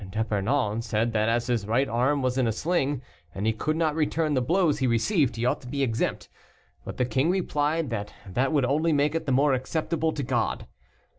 D'Epernon said that as his right arm was in a sling, and he could not return the blows he received, he ought to be exempt, but the king replied that that would only make it the more acceptable to God.